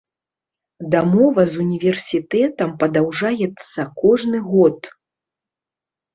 Дамова з універсітэтам падаўжаецца кожны год.